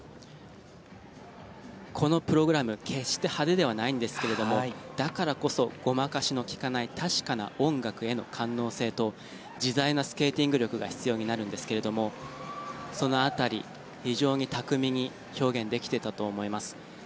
このプログラム、決して派手ではないんですけれどもだからこそ、ごまかしの利かない確かな音楽への感応性と自在なスケーティング力が必要になるんですがその辺り、非常に巧みに表現できていたと思います。